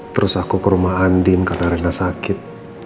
terus aku ke rumah andi karena rena sakit